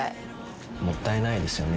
もったいないですよね